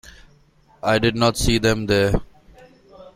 I did not see them there.